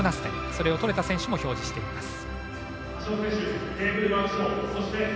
それを取れた選手も表示しています。